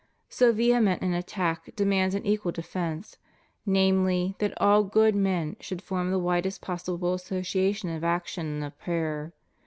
So vehement an attack demands an equal defence — namely, that all good men should form the widest possible association of action and of prayer.